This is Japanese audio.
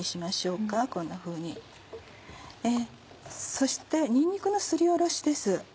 そしてにんにくのすりおろしです。